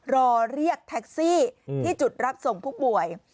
รอเรียกแท็กซี่ที่จุดรับส่งผู้ป่วย